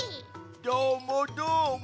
どーもどーも。